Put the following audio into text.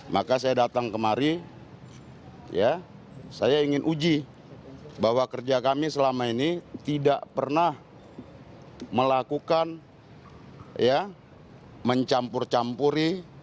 maka saya datang kemari saya ingin uji bahwa kerja kami selama ini tidak pernah melakukan mencampur campuri